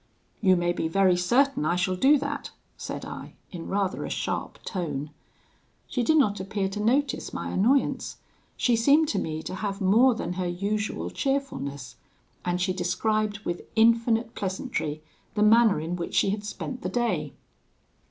"'You may be very certain I shall do that,' said I, in rather a sharp tone. She did not appear to notice my annoyance; she seemed to me to have more than her usual cheerfulness; and she described, with infinite pleasantry, the manner in which she had spent the day.